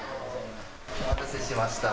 お待たせしました。